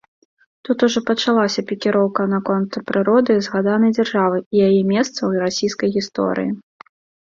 Тут ужо пачалася пікіроўка наконт прыроды згаданай дзяржавы і яе месца ў расійскай гісторыі.